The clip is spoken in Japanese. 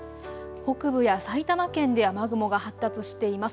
北部や埼玉県で雨雲が発達しています。